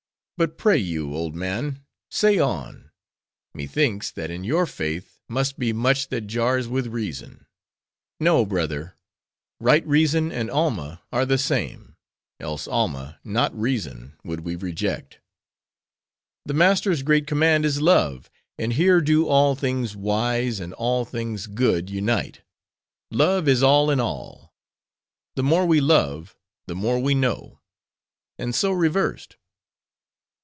But pray you, old man—say on—methinks, that in your faith must be much that jars with reason." "No, brother! Right reason, and Alma, are the same; else Alma, not reason, would we reject. The Master's great command is Love; and here do all things wise, and all things good, unite. Love is all in all. The more we love, the more we know; and so reversed.